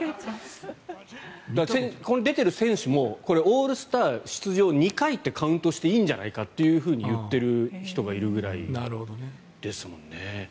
出てる選手もオールスター出場２回ってカウントしていいんじゃないかって言っている人がいるぐらいですって。